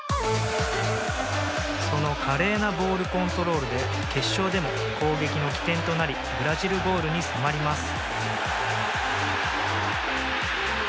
その華麗なボールコントロールで決勝でも攻撃の起点となりブラジルゴールに迫ります。